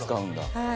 はい。